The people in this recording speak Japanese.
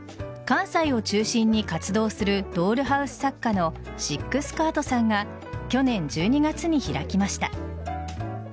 関西を中心に活動するドールハウス作家のシック・スカートさんが去年１２月に開きました。